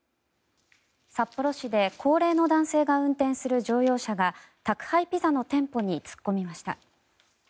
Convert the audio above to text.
札幌市で高齢の男性が運転する乗用車が宅配ピザの店舗に突っ込みました。